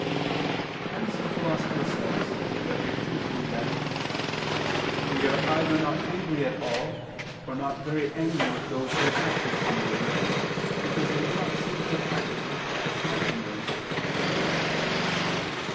Hence the Philosopher says (Rhet. ii, 3) that "we are either not angry at all, or not very angry with those who have acted through anger, because they do not seem to have acted slightingly."